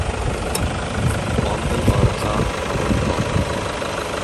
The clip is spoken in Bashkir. Атың арыһа, сабып ҡал.